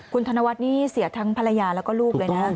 คุณธนวัฒน์นี่เสียทั้งภรรยาแล้วก็ลูกเลยนะ